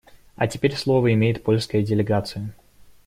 А теперь слово имеет польская делегация.